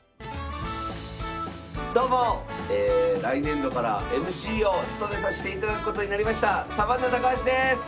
来年度からＭＣを務めさしていただくことになりましたサバンナ高橋です！